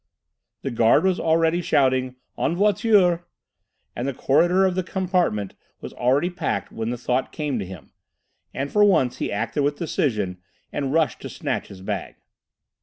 The guard was already shouting "en voiture" and the corridor of his compartment was already packed when the thought came to him. And, for once, he acted with decision and rushed to snatch his bag.